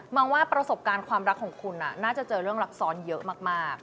งว่าประสบการณ์ความรักของคุณน่าจะเจอเรื่องรักซ้อนเยอะมาก